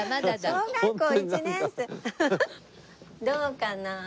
どうかな？